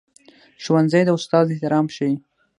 ښوونځی د استاد احترام ښيي